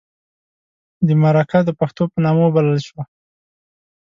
د مرکه د پښتو په نامه وبلله شوه.